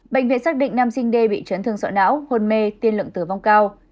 bệnh viện xác định nam sinh đê bị trấn thương sọ não hôn mê tiên lượng tử vong cao